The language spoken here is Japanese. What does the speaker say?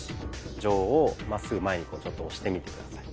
杖をまっすぐ前にちょっと押してみて下さい。